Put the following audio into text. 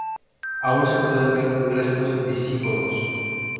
Aún se pueden ver restos visigodos.